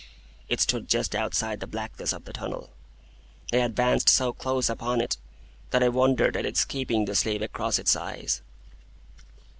It stood just outside the blackness of the tunnel. I advanced so close upon it that I wondered at its keeping the sleeve across its eyes.